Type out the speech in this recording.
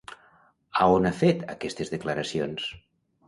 A on ha fet aquestes declaracions?